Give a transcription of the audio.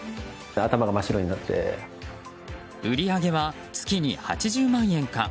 売り上げは月に８０万円か。